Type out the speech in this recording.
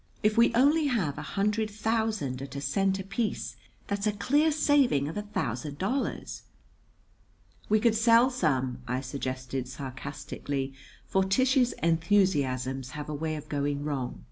If we only have a hundred thousand at a cent apiece, that's a clear saving of a thousand dollars." "We could sell some," I suggested sarcastically; for Tish's enthusiasms have a way of going wrong.